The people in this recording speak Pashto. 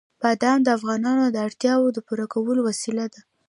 بادام د افغانانو د اړتیاوو د پوره کولو وسیله ده.